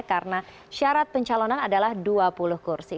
karena syarat pencalonan adalah dua puluh kursi